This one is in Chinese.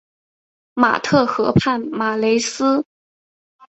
马特河畔马雷斯。